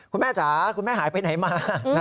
คุณแม่จ๋าคุณแม่หายไปไหนมา